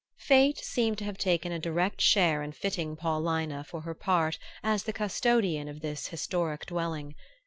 Fate seemed to have taken a direct share in fitting Paulina for her part as the custodian of this historic dwelling.